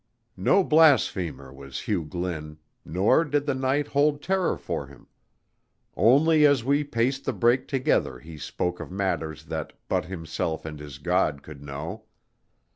No blasphemer was Hugh Glynn, nor did the night hold terror for him; only as we paced the break together he spoke of matters that but himself and his God could know.